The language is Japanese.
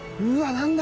何だ？